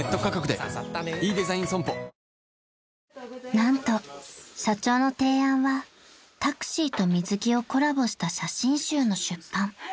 ［何と社長の提案はタクシーと水着をコラボした写真集の出版］